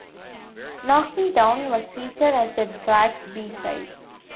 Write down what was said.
"Knock Me Down" was featured as the track's b-side.